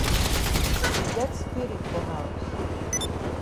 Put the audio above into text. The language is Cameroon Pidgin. You get spirit for haus?